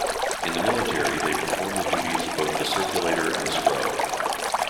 In the military they perform the duties of both the circulator and the scrub.